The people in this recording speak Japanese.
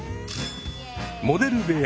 モデル部屋